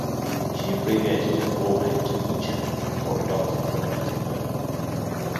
She abbreviated her forename to Micha, before adopting a "phonetic version".